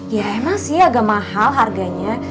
ya emang sih agak mahal harganya